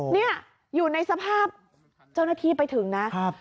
นี่อยู่ในสภาพเจ้าหน้าที่ไปถึงนะครับ